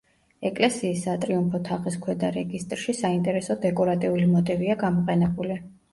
ეკლესიის სატრიუმფო თაღის ქვედა რეგისტრში საინტერესო დეკორატიული მოტივია გამოყენებული.